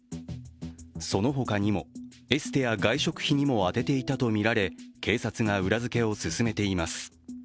そのほかにも、エステや外食費にも充てていたとみられ警察が裏付けを進めています。